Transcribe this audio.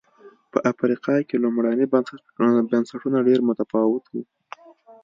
په افریقا کې لومړني بنسټونه ډېر متفاوت و.